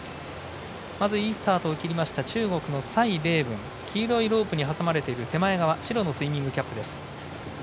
まずいいスタートを切りました中国の蔡麗ぶん黄色いロープに挟まれている手前側、白のスイミングキャップ。